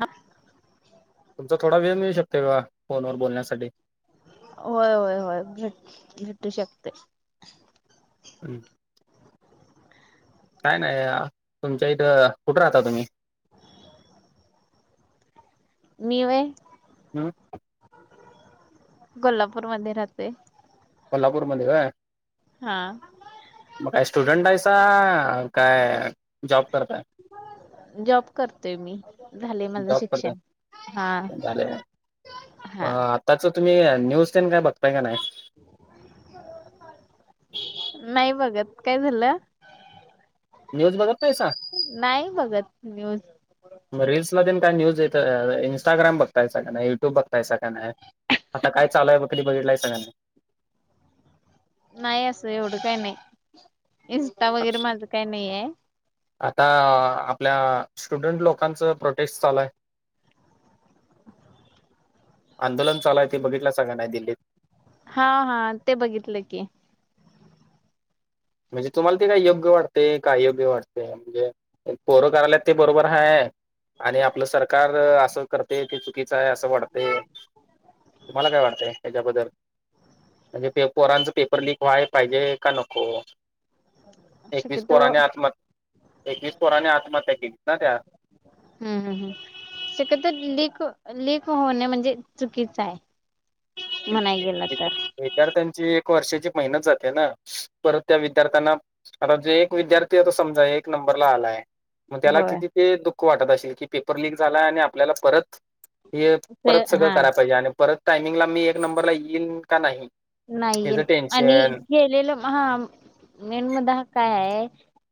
हा. तुमचा थोडा वेळ मिळू शकतोय का? फोन वर बोलण्यासाठी. होय, होय, होय. भेट-भेटू शकतय. [inaudible] काय नाय. अं, तुमच्या इथं. कुठ राहता तुम्ही? मी व्हय? हम्म. कोल्हापूरमध्ये राहते. कोल्हापूरमध्ये होय? हा. मग काय स्टुडंट हाईसा? का, जॉब करताय? जॉब करते मी. झालय माझं जॉब करताय शिक्षण. हा. हा. त्याच तुम्ही, न्यूज तेन काय? बघताय का नाही? नाही बघत. काय झालं? न्यूज बघत नाहीसा नाही बघत न्यूज मग रिल्स म काय न्यूज येत इंस्टाग्राम बघतायसा का नाही युट्यूब बघतायसा का नाही आता काय चालूय कधी बघितलायसा का नाही नाही असं एवढं काही नाही इस्टा वगैरे माझं काही नाहीये आता आपल्या स्टुडंट लोकांचं प्रोटेस्ट चालू आहे आंदोलन चालूय ते बघितलासा का नाही दिल्लीत ह, हा ते बघितलं की म्हणजे तुम्हाला ते काय योग्य वाटतय का आयोग्य वाटतय म्हणजे पोरं करायला ते बरोबर हाय आणि आपलं सरकार असं करतय ते चुकीचं आहे असं वाटतंय तुम्हाला काय वाटतय ह्याच्याबद्दल म्हणजे पे पोरांचं पेपर लीक व्हायला पाहिजे का नको एकवीस शक्यतो पोराने आत्मह एकवीस पोराने आत्महत्या केली ना त्यात हम, हम, हम शक्य तर लीक, लीक होणे म्हणजे चुकीचं आहे तेच म्हणाय की गेल तर विद्या- विद्यार्थ्यांची एक वर्षाची मेहनत जाते ना परत त्या विद्यार्थ्यांना आता जो एक विद्यार्थी आता समजा एक नंबरला आलाय मग त्याला होय किती ते दुःख वाटत असेल की पेपर लीक झालाय आणि आपल्याला परत हे ते परत सगळं हा करायला पाहिजे आणि परत टायमिंगला मी एक नंबरला येईन का नाही नाहीये हेच आणि टेन्शन केलेलं म हा मेन मुद्दा हा काय आहे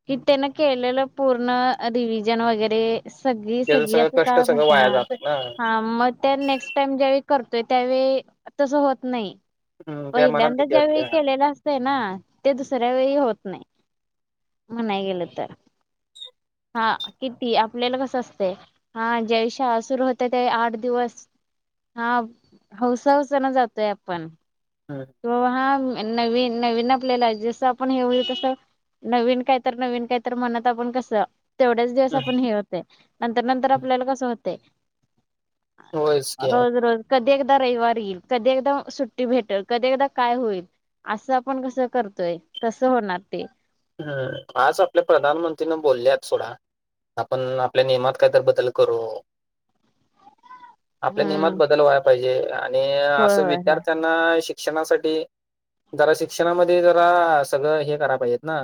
कि त्यान केलेलं पूर्ण रिव्हजन वगैरे सगळी, त्याच सगळी सगळं असं कष्ट काय सगळं म्हणत वाया हा, जात ना हा मग त्या नेक्स्ट टाइम ज्यावेळी करतोय त्यावेळी तसं होत नाही हम्म, त्या मनात पहिल्यांदा भीती ज्यावेळी असते केलेला अस ना ते दुसऱ्या वेळी होत नाही म्हणाय गेलं तर हा किती आपल्याला कसं असतंय हा ज्याश सुरू होते त्यावेळी आठ दिवस हा हौसा हौसान जातोय आपण हा हो हा नवीन, नवीन आपलेला जसं आपण हे हो तसं नवीन काय तर, नवीन काय तर म्हनत आपण कसं तेवढ्याच दिवस आपण हे होतय नंतर, नंतर हम्म. आपल्याला कसं होतय होयच की रोज, रोज कधी एकदा रविवार येईल कधी एकदा सुट्टी भेटल कधी एकदा काय होईल असं आपण कसं करतोय तसं होणार ते ह आज आपल्या प्रधानमंत्रीन बोलल्यात सोडा आपण आपल्या नियमात कायतर बदल करू आपल्या नियमात हम्म बदल व्हायला पाहिजे आणि होय असं होय होय विद्यार्थ्यां ना शिक्षणासाठी जरा शिक्षणामध्ये जरा सगळं हे कराय पाहिजेत ना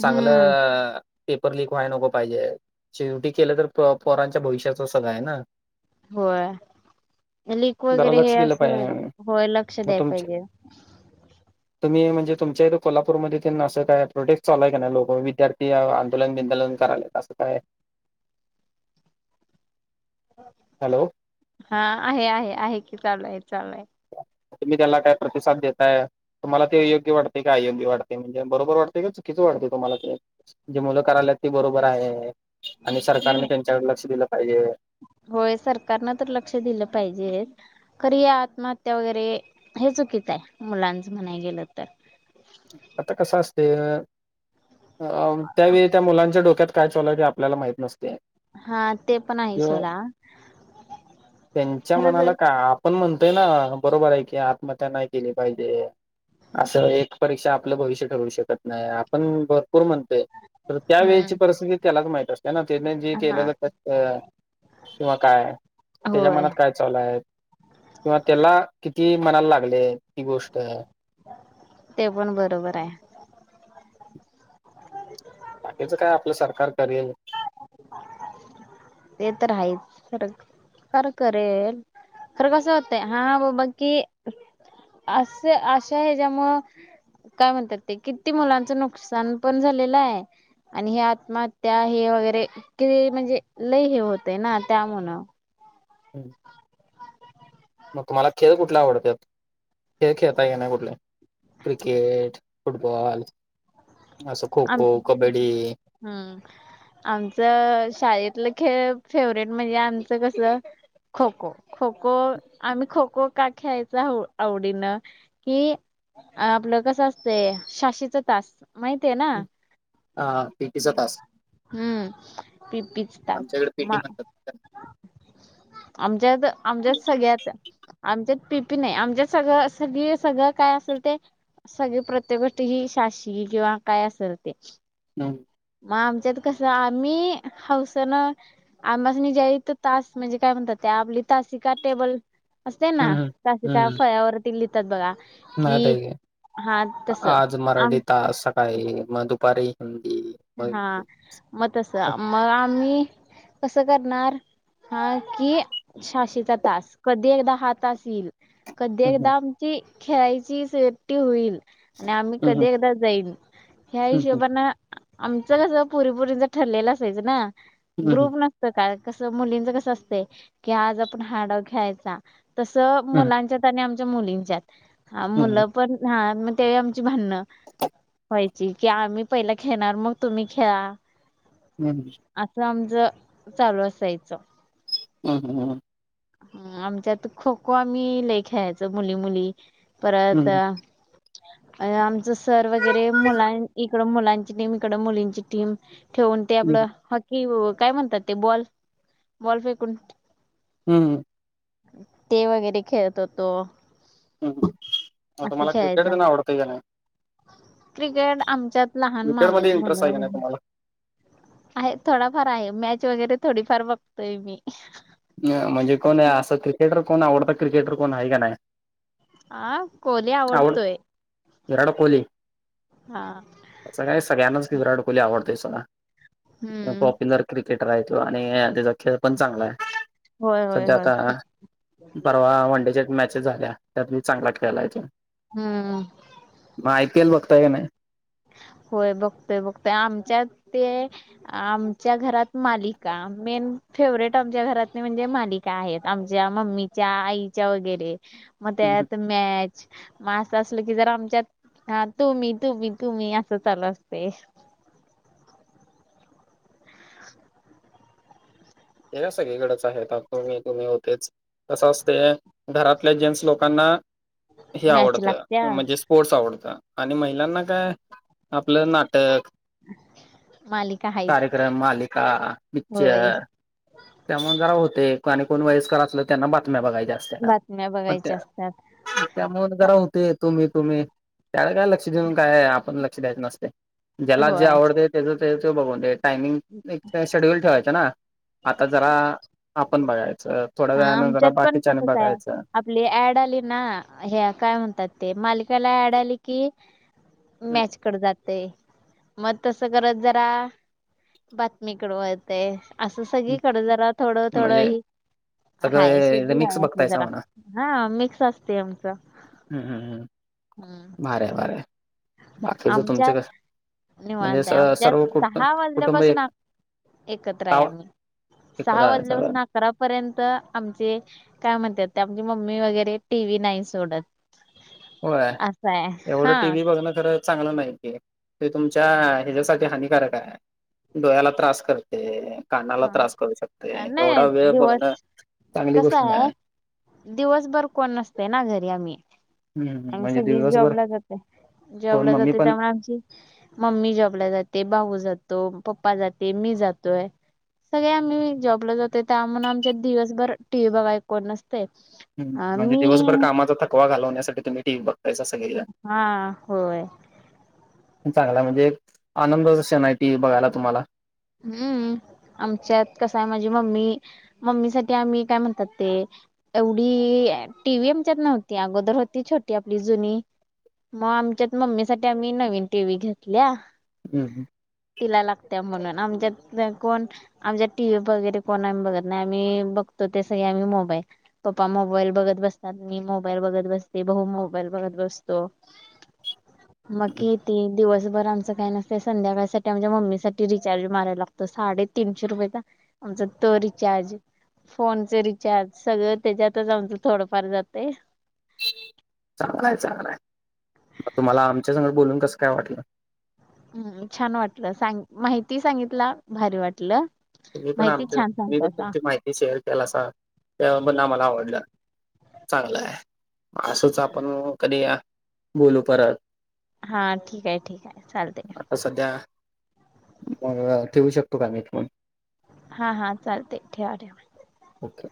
हम्म चांगलं पेपर लीक व्हाय नको पाहिजे शेवटी केलं तर पो पोरांच्या भविष्याच सगळं आहे ना होय अ लिक जरा वगैरे हे लक्ष दिलं असं व्हायला पाहिजे नको होय लक्ष मग द्यायला तुमचे पाहिजे तुम्ही म्हणजे तुमच्या इथं कोल्हापूरमध्ये तेन असं काय प्रोटेक्ट चालू आहे की नाय लोक विद्यार्थी आंदोलन, बिंदोलन करायलेत असं काय हॅलो. हा आहे आहे, आहे की चालू आहे चालूय. तुम्ही त्याला काय प्रतिसाद देताय? तुम्हाला ते योग्य वाटते की अयोग्य वाटते. म्हणजे बरोबर वाटते की चुकीचं वाटते तुम्हाला ते. जे मुलं करायलेत ते बरोबर आहे. आणि नाही नाही सरकारने त्यांच्याकडे लक्ष दिलं पाहिजे. होय, सरकारनं तर लक्ष दिलं पाहिजेच. खरी या आत्महत्या वगैरे हे चुकीचं आहे. मुलांचं म्हणाय गेलं तर. आता कसं असते अ त्यावेळी त्या मुलांच्या डोक्यात काय चालू आहे ते आप आपल्याला माहित नसते. हा ते पण आहे त्य सोडा त्यांच्या मनाला खरंच का आप पण म्हणतोय ना, बरोबर आहे की, आत्महत्या नाय केली पाहिजे असं एक परीक्षा आपलं भविष्य ठरवू शकत नाही, आपण भरपूर म्हणतोय, तर त्या वेळेची हम्म परिस्थिती त्यालाच माहित असते ना. त्याने जे हा केलेलं किंवा काय? त्याच्या होय मनात काय? चला ए ब- किंवा त्याला किती मनाला लागले ती गोष्ट. ते पण बरोबर आहे. बाकीचं काय आपलं सरकार करेल. ते तर आहेच फरक. खरं करेल, खरं कसं होतं हा बा कि असे अशा हे ज्यामुळं काय म्हणतात ते किती मुलांचं नुकसान पण झालेलं आहे? आणि हे आत्महत्या हे वगैरे कि ती म्हणजे लय हे होतय ना त्यामुळं - मग तुम्हाला खेळ कुठला आवडत्यात? खेळ खेळता येण्या कुठलं आहे? Cricket -football. असं खो- आम खो, कबड्डी. हम्म.. आमचं शाळेतलं खेळ फेवरेट म्हणजे आमचं कस खो-खो. खो-खो आम्ही खो-खो का खेळायचं आवडीनं कि आपलं कसं असतंय शा. शी तास माहितीय ना. अ पी. टी. चा तास. हम्म.. पी पिच ताच आमच्याकडे पीटी मा म्हणतात. - आमच्यात आमच्यात सगळ्यात- आमच्यात पी. पी. नाय आमच्यात सगळं सगळी सगळं काय असेल ते सगळे प्रत्येक गोष्टी ही शा. शी. किंवा काय असेल ते. हं.. म आमच्यात कसं मी हौसन- आम्हास्नी ज्या हित तास म्हणजे काय म्हणतात ते आपली तासिका - टेबल. असतेना हम्म तासिका फळ्यावरती लिहितात बघा म कि ताई हा तसं आज आम मराठी तास सकाळी, मग दुपारी हिंदी. मग हा इंग्लिश. म तस मग आम्ही कसं करणार? हा की शा. शी. चा तास कधी एकदा हा तास येईल. कधी हम्म एकदा आमची खेळायची ट्टी होईल आणि आम्ही कधी हम्म एकदा जाईन ह्या हम्म हिशोबाना आमचं कसं पोरीपोरीचं ठरलेलं असायचं ना हम्म हम्म ग्रुप न आज-काल मुलींच कसं असतंय, की आज आपण हा डाव खेळायचा. तसं हम्म मुलांच्यात आणि आमच्या मुलींच्या हा हम्म मुलं पण हा ते आमची भांडण व्हायची की, आम्ही पहिलं खेळणार मग तुम्ही खेळा. हूं.. हूं.. असं आमचं चालू असायचं. हम हं ह आमच्यात खो खो आम्ही ले खेळायचं मुली- मुली परत, हम्म अ आमचं सर वगैरे मुलां इकड मुलांची टीम, इकडं मुलींची टीम. ठेवून ते आपलं हॉकी काय म्हणतात ते बॉल -बॉल फेकून? हूं.. ते वगैरे खेळत होतो. हम्म. मग असं तुम्हाला क्रिकेट खेळायचं, तेन आवडतंय का नाही? क्रिकेट आमच्यात लहान क्रिकेटमध्ये मामाची इंटरेस्ट आहे का मुलं नाही तुम्हाला? आहे थोडाफार आहे, मॅच वगैरे थोडीफार बघतोय मी. ज्ञ म्हणजे कोण आहे असं ते? क्रिकेटर कोण आवडता क्रिकेटर कोण आहे का नाही? हा कोली आवडतोय. विराड कोली. हा त्याचं काय सगळ्यांनाच विराट कोहली आवडतोय सोडा, [unintelligible] हम्म पॉप्युलर क्रिकेटर आहे त्यो आणि त्याचा खेळ पण चांगला आहे. होय होय सध्या होय आता खूप परवा वनडेच्या मॅचेस झाल्या त्यात बी चांगला खेळलाय तो. ह.... मग आय पी एल बघताय काय नाही? होय बघतोय-बघतोय आमच्यात ते आमच्या घरात मालिका मेन फेवरेट आमच्या घरातनी म्हणजे मालि का आहेत आमच्या मम्मीच्या, आईच्या वगैरे मग त्यात मॅच मग असं असलं की जर आमच्यात तू-मी, तू-मी तु-मी असं चालू असतंय. ते काय सगळीकडचं आहे आता तु-मी, तू -मी होतेच. कसं असतयं घरातल्या जेन्ट्स लोकांना हे मॅच लागत्या आवडतं म्हणजे स्पोर्ट्स आवडतं आणि महिलांना काय आपलं नाटक, मालिका हायच कार्यक्रम, मालिका, पिच्चर होय त्यामुळे जरा होतंय आणि कोण वयस्कर असलं त्यांना बातम्या बघायच्या असत्यात बातम्या मग त्या बघायच्या असतात त्यामुळं जरा होतंय तु-मी, तु-मी त्याला काय लक्ष देऊन काय आपण लक्ष द्यायच नसतयं ज्याला जे होय आवडतंय त्याज त्यो बघून दे. टायमिंग एकतर शेड्यूल ठेवायचं ना, आता जरा आपण बघायचं, थोड्या वेळानं जरा आमच्यात पण बाकीच्यांनी तसच आहे बघायचं. आपली ऍड आली ना ह्या काय म्हणतात ते मालिकेला ऍड आली की, मॅचकडं जातयं. म तसं करत जरा बातमीकडं वळतंय. असं सगळीकडं जरा थोडं -थोडं म्हणजे ही हाय सगळं शेती मिक्स हाय अस बघतायचा जरा, म्हणा हा मिक्स असतंय आमचं. हं. हं.. हं. हम्म मारे- वारे बाकीचं आमच्यात तुमचं कसं म्हणजे निवांत आहे आमच्यात सर्व कुट सहा कुटुंब वाजल्यापासून एक, आ- एकत्र आहे आम्ही एकच सहा आहे सगळं वाजल्यापासून आ आकरापर्यंत आमचे काय म्हणतात ते आमची मम्मी वगैरे टी व्ही नाही सोडत. होय, असं आहे एवढं हा टी व्ही बघण- खर चांगलं नाही ते. ते तुमच्या ह्याच्यासाठी हानिकारक आहे. डोळ्याला त्रास करते. कानाला हा त्रास करू शकते, एवढा नाही वेळ बघणं दिवस चांगली कस गोष्ट आहे नाही. दिवसभर कोण नसतय ना घरी आम्ही. हम्म आम्ही म्हणजे सगळीच दिवसभर जॉबला जातात, फोन जॉबला मम्मी जाते पण त्यामुळे आमची- मम्मी जॉबला जाते, भाऊ जातो, पप्पा जाते, मी जातोय. सगळे आम्ही जॉबला जातो त्यामुळेून आमच्यात दिवसभर टी व्ही बघाय कोण नसते. तेच. हम् म्हणजे दिवसभर कामाचा थकवा घालवण्यासाठी तुम्ही टीव्ही बघताय का सगळेजण? हा होय चांगला आहे म्हणजे एक आनंद क्षण टी व्ही बघायला तुम्हाला. हम्म आमच्यात कसे आहे माझी मम्मी, मम्मीसाठी आम्ही काय म्हणतात ते- एवढी टी व्ही आमच्यात नव्हती, अगोदर होती छोटी आपली जुनी. मग आमच्यात मम्मीसाठी आम्ही नवीन टी व्ही घेतल्या. हम् तिला लागत्या म्हणून, आमच्यातल कोण- आमच्यात टीव्ही वगैरे कोण आम्ही बघत नाही आम्ही बघतो ते सगळे आम्ही मोबाईल. पप्पा मोबाईल बघत बसतात, मी मोबाईल बघत बसते, भाऊ मोबाईल बघत बसतो. बाकी ती दिवसभर आमचं काही नसते संध्याकाळसाठी आमच्या मम्मीसाठी रि- चार्ज मारायला लागतो, साडे तीनशे रुपयेचा. आमचा तर रिचार्ज फोनचे रिचार्ज, सगळं त्यांच्यातच आमचं थोडंफार जातय. चांगला आहे, चांगला आहे. मग तुम्हाला आमच्या संग बोलून कसं काय वाटलं? हम् छान वाटले सांग माहिती सांगितल मभारी वाटलं. तुम्ही पण माहिती आमची, छान मी पण सांगतासा तुमची माहिती शेअर- त्याला असा, त्यामुळे पण आम्हाला आवडलं, चांगलं आहे. असंच आपण कधी बोलू परत. हा ठीक आहे, ठीक आहे. चालतय. सध्या, मग ठेवू शकतो का मी फोन? हा हा चालतय, ठेवा ठेवा. ओके.